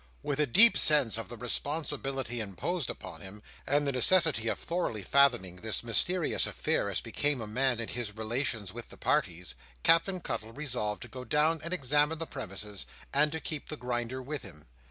With a deep sense of the responsibility imposed upon him, and the necessity of thoroughly fathoming this mysterious affair as became a man in his relations with the parties, Captain Cuttle resolved to go down and examine the premises, and to keep the Grinder with him.